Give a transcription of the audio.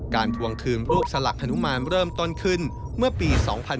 ทวงคืนรูปสลักฮนุมานเริ่มต้นขึ้นเมื่อปี๒๕๕๙